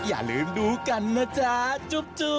อย่าลืมดูกันนะจ๊ะจุ๊บ